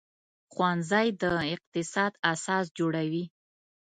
ښوونځی د اقتصاد اساس جوړوي